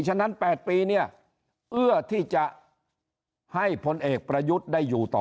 ฉะนั้น๘ปีเนี่ยเอื้อที่จะให้พลเอกประยุทธ์ได้อยู่ต่อ